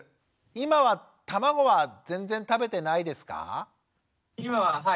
今は卵は全然食べてないですか？